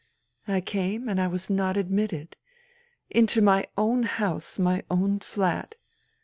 " I came, and I was not admitted. ... Into my own house, my own flat.